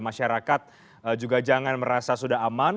masyarakat juga jangan merasa sudah aman